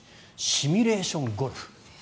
シミュレーションゴルフ。